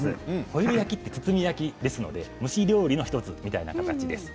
ホイル焼きは包み焼きですので蒸し料理の１つという形です。